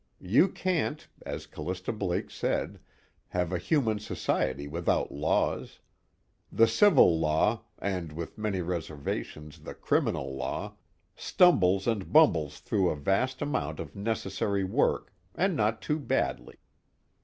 You can't (as Callista Blake said) have a human society without laws. The civil law, and with many reservations the criminal law, stumbles and bumbles through a vast amount of necessary work, and not too badly.